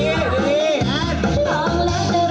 แอ๊ะแสงมุก